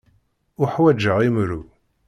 Uḥwaǧeɣ imru.